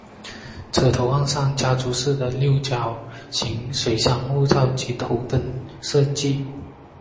车头换上家族化的六角形水箱护罩及头灯设计。